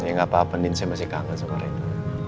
ya gak apa apa ninsya masih kangen sama reina